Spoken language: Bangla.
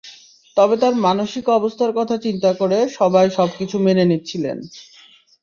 তবে তাঁর মানসিক অবস্থার কথা চিন্তা করে সবাই সবকিছু মেনে নিচ্ছিলেন।